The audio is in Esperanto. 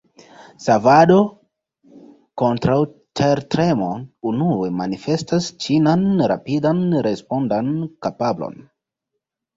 Savado kontraŭ tertremo unue manifestas ĉinan rapidan respondan kapablon.